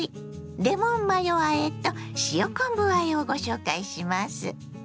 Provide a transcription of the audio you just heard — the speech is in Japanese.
レモンマヨあえと塩昆布あえをご紹介します。